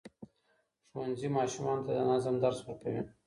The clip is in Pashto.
ښوونځي ماشومانو ته د نظم درس ورکوي.